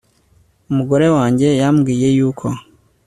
umugore wanjye yambwiye yuko